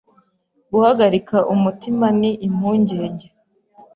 Guhagarika umutima ni impungenge